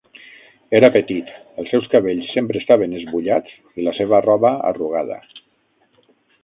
Era petit, els seus cabells sempre estaven esbullats i la seva roba arrugada.